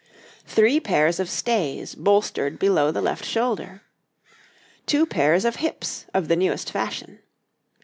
Three pairs of Stays boulstered below the left shoulder. Two pairs of Hips of the newest fashion.